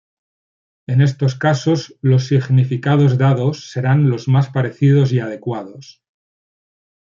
En estos casos los significados dados serán los más parecidos y adecuados.